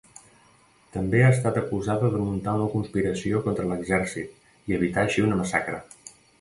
També ha estat acusada de muntar una conspiració contra l'exèrcit i evitar així una massacre.